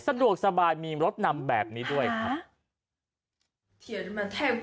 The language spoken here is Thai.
สะดวกสบายมีรถนำแบบนี้ด้วยครับ